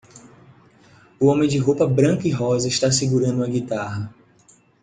O homem de roupa branca e rosa está segurando uma guitarra.